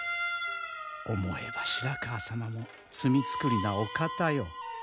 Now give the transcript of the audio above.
思えば白河様も罪作りなお方よ。